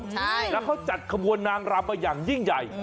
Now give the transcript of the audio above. แล้วเขาจัดขบวนนางรำมาอย่างยิ่งใหญ่